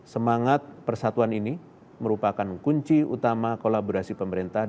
semangat persatuan ini merupakan kunci utama kolaborasi pemerintah